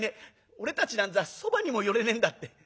俺たちなんざそばにも寄れねえんだ』って。